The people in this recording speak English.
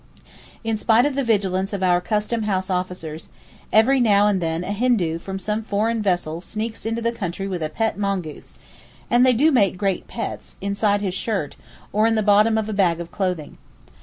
In spite of the vigilance of our custom house officers, every now and then a Hindoo from some foreign vessel sneaks into the country with a pet mongoose (and they do make great pets!) inside his shirt, or in the bottom of a bag of clothing.